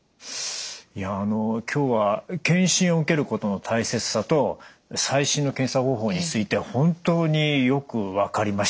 今日は検診を受けることの大切さと最新の検査方法について本当によく分かりました。